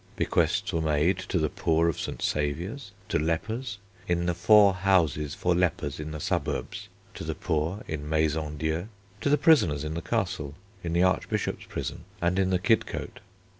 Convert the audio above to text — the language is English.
Bequests were made to the poor of St. Saviour's; to lepers "in the 4 houses for lepers in the suburbs," to the poor in maisons dieu; to the prisoners in the Castle, in the Archbishop's prison, and in the Kidcote.